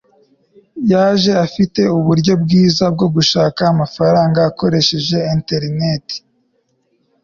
yaje afite uburyo bwiza bwo gushaka amafaranga akoresheje interineti